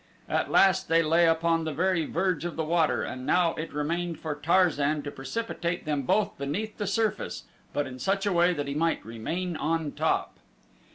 At last they lay upon the very verge of the water and now it remained for Tarzan to precipitate them both beneath the surface but in such a way that he might remain on top.